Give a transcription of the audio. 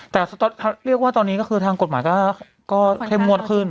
แต่เรียกว่าตอนนี้ก็คือทางกฎหมายก็เข้มงวดขึ้น